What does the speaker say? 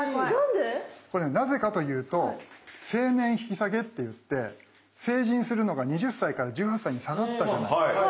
これなぜかというと成年引き下げっていって成人するのが２０歳から１８歳に下がったじゃないですか。